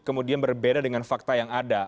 kemudian berbeda dengan fakta yang ada